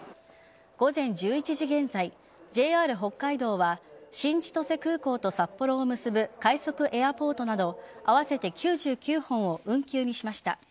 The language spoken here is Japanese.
午前１１時現在、ＪＲ北海道は新千歳空港と札幌を結ぶ快速エアポートなど合わせて９９本を運休にしました。